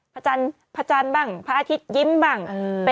พระจันทร์บ้างพระอาทิตยิ้มบ้าง